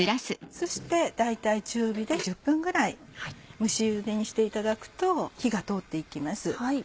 そして大体中火で１０分ぐらい蒸しゆでにしていただくと火が通って行きます。